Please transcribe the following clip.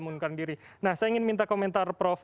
mengundurkan diri nah saya ingin minta komentar prof